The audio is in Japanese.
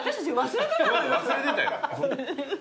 忘れてたよ。